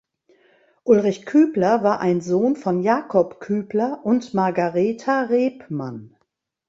Ulrich Kübler war ein Sohn von Jakob Kübler und Margaretha Rebmann.